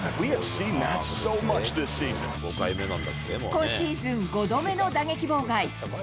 今シーズン５度目の打撃妨害。